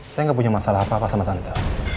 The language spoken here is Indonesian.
saya nggak punya masalah apa apa sama tante